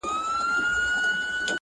• چي حتی د یوې کلمې -